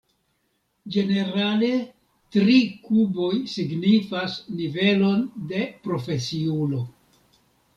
Ĝenerale, tri kuboj signifas nivelon de profesiulo.